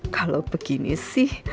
kalau begini sih